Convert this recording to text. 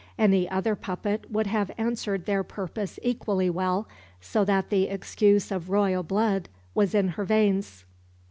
Any other puppet would have answered their purpose equally well, so that the excuse of royal blood was in her veins.